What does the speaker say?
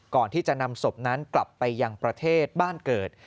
ก่อนที่จะนำศพนั้นกลับไปยังประเทศบ้านเกิด